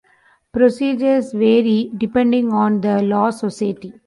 Procedures vary depending on the law society.